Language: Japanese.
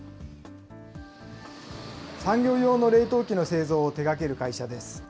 産業用の冷凍機の製造を手がける会社です。